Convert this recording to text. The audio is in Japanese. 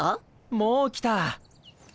もう来た。